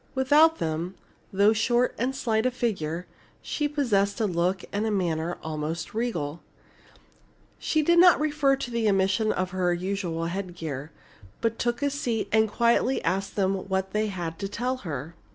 Without them, though short and slight of figure, she possessed a look and manner almost regal. She did not refer to the omission of her usual headgear, but took a seat and quietly asked them what they had to tell her.